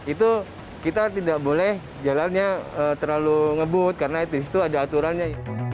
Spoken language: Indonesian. itu kita tidak boleh jalannya terlalu ngebut karena di situ ada aturannya